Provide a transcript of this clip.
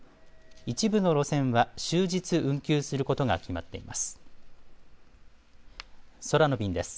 一部の路線は終日、運休することが決まっています。